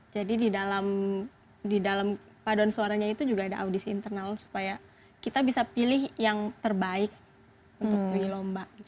jadi di dalam paduan suaranya itu juga ada audisi internal supaya kita bisa pilih yang terbaik untuk memilih lomba